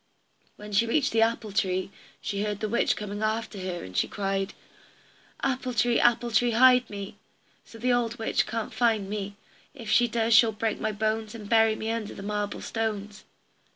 When she reached the apple tree, she heard the witch coming after her, and she cried: "Apple tree, apple tree, hide me, So the old witch can't find me; If she does she'll break my bones, And bury me under the marble stones."